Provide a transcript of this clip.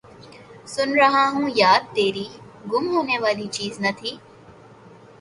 سوچ رہا ہوں یاد تیری، گم ہونے والی چیز نہ تھی